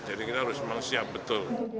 jadi kita harus memang siap betul